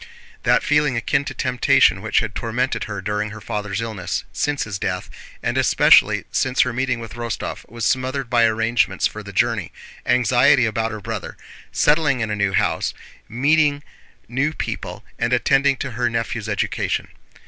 That feeling akin to temptation which had tormented her during her father's illness, since his death, and especially since her meeting with Rostóv was smothered by arrangements for the journey, anxiety about her brother, settling in a new house, meeting new people, and attending to her nephew's education.